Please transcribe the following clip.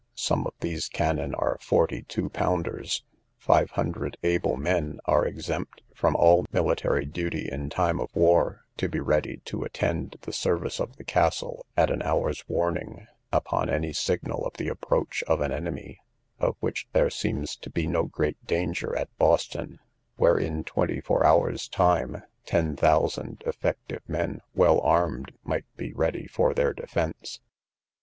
Some of these cannon are forty two pounders. Five hundred able men are exempt from all military duty in time of war, to be ready to attend the service of the castle at an hour's warning, upon any signal of the approach of an enemy, of which there seems to be no great danger at Boston; where in twenty four hours' time, ten thousand effective men, well armed, might be ready for their defence.